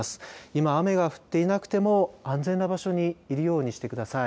今、雨が降っていなくても安全な場所にいるようにしてください。